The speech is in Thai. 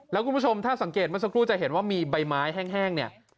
แล้วคุณผู้ชมถ้าสังเกตเมื่อสักครู่จะเห็นว่ามีใบไม้แห้งเนี่ย